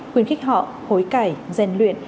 quyến khích họ hối cải ghen luyện